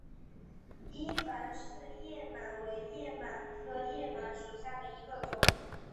伊凡氏叶螨为叶螨科叶螨属下的一个种。